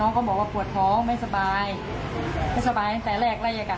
ก็บอกว่าปวดท้องไม่สบายไม่สบายตั้งแต่แรกแล้วอะค่ะ